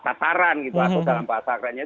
kasaran gitu dalam bahasa akurasi